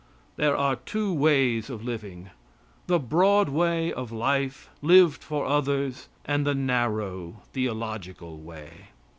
There are two ways of living the broad way of life lived for others, and the narrow theological way.